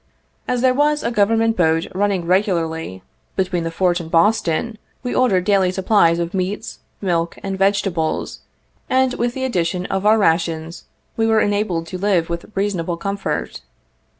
As there was a Government boat running regularly between the Fort and Boston, we ordered daily supplies of meats, milk, and vegetables, and with the addition of our rations, were enabled to live with reasonable comfort.